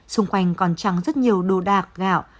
xung quanh còn chẳng rất nhiều đồ đạc gạo